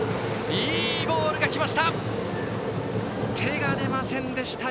いいボールが来ました！